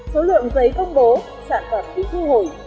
số lượng giấy công bố sản phẩm bị thu hồi